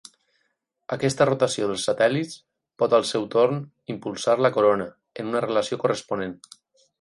Aquesta rotació dels satèl·lits pot al seu torn impulsar la corona, en una relació corresponent.